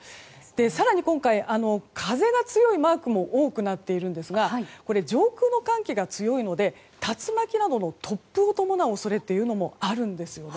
更に今回、風が強いマークも多くなっているんですが上空の寒気が強いので竜巻などの突風を伴う恐れもあるんです。